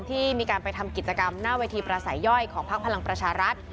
ที่มีการไปทำกิจกรรมหน้าเวทีประสัยย่อยของพักพลังประชารัฐ